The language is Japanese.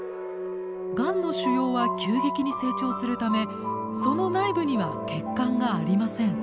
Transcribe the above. がんの腫瘍は急激に成長するためその内部には血管がありません。